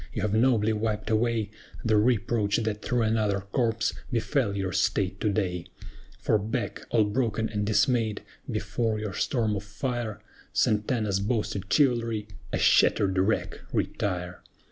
you have nobly wiped away The reproach that through another corps befell your State to day; For back, all broken and dismayed, before your storm of fire, SANTANA'S boasted chivalry, a shattered wreck, retire.